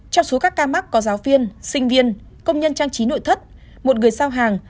trong số các ca mắc có giáo viên sinh viên công nhân trang trí nội thất một người giao hàng